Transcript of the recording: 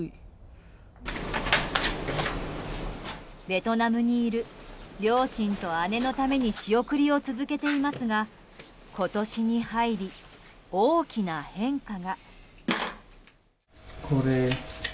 ベトナムにいる両親と姉のために仕送りを続けていますが今年に入り、大きな変化が。